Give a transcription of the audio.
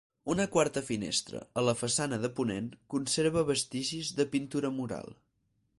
Una quarta finestra, a la façana de ponent, conserva vestigis de pintura mural.